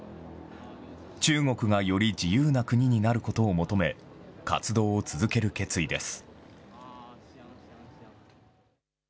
中国がより自由な国になることを求め、活動を続ける決意です。